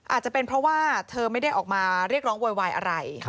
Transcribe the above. อาจจะเป็นเพราะว่าเธอไม่ได้ออกมาเรียกร้องโวยวายอะไร